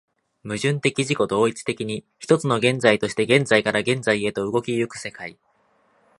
矛盾的自己同一的に、一つの現在として現在から現在へと動き行く世界